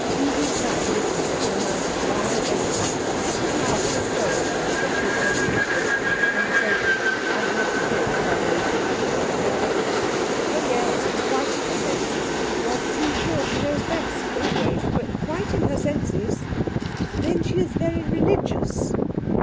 Bibi sat listening with her mouth wide open. It was an artless way of hers when she was much interested in a conversation, and was deplored by those who wished her well. "Oh, yes, she is quite in her senses. Rather too sure she knows best, always, but quite in her senses." "Then she is very religious?"